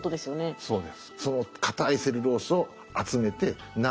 そうです。